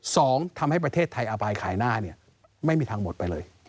สองทำให้ประเทศไทยอบายขายหน้าเนี่ยไม่มีทางหมดไปเลย